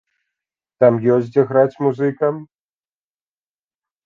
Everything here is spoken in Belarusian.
Там ёсць, дзе граць музыкам?